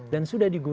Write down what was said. dan sudah dibentuk